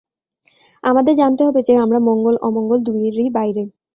আমাদের জানতে হবে যে, আমরা মঙ্গল-অমঙ্গল দুইয়েরই বাইরে।